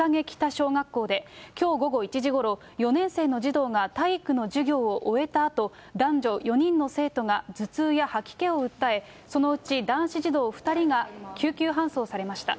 小学校できょう午後１時ごろ、４年生の児童が体育の授業を終えたあと、男女４人の生徒が頭痛や吐き気を訴え、そのうち男子児童２人が救急搬送されました。